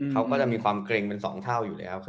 เขาก็จะมีความเกร็งเป็น๒เท่าอยู่แล้ว